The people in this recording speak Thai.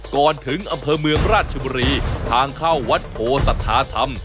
ก่อนถึงอำเภอเมืองราชบุรีทางเข้าวัดโพสัทธาธรรม